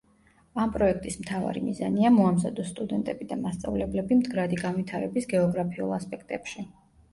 ამ პროექტის მთავარი მიზანია მოამზადოს სტუდენტები და მასწავლებლები მდგრადი განვითარების გეოგრაფიულ ასპექტებში.